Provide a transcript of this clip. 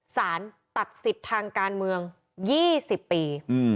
สารตัดสิทธิ์ทางการเมือง๒๐ปี